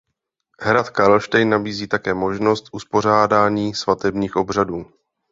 Hrad Karlštejn nabízí také možnost uspořádání svatebních obřadů.